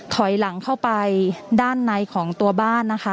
ถอยหลังเข้าไปด้านในของตัวบ้านนะคะ